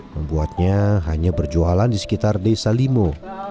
membuatnya hanya berjualan di sekitar desa limo